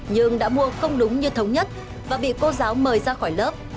nhưng đã mua không đúng như thống nhất và bị cô giáo mời ra khỏi lớp